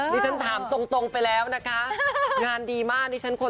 ที่เป็นกำลังใจให้กับบุโกนะคะ